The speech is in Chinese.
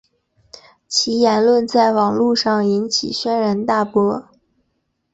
其言论在网路上引起轩然大波。